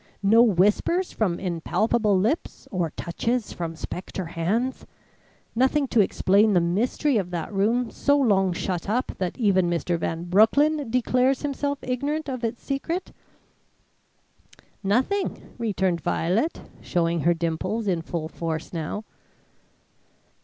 "No whispers from impalpable lips or touches from spectre hands? Nothing to explain the mystery of that room so long shut up that even Mr. Van Broecklyn declares himself ignorant of its secret?" "Nothing," returned Violet, showing her dimples in full force now.